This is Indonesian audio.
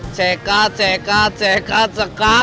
cekak cekak cekak cekak